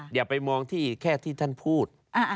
อย่าไปมองที่แค่ที่ท่านพูด